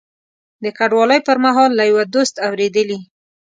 د کډوالۍ پر مهال له یوه دوست اورېدلي.